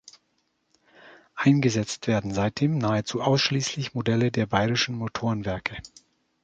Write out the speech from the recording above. Eingesetzt werden seitdem nahezu ausschließlich Modelle der Bayerischen Motorenwerke.